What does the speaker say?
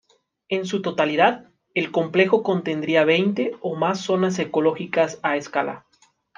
En su totalidad, el complejo contendría veinte o más zonas ecológicas a escala.